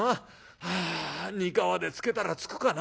はあにかわでつけたらつくかな。